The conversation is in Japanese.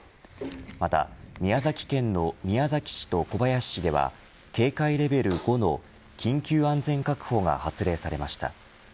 また宮崎県の宮崎市と小林市では警戒レベル５の緊急安全確保が発令されました。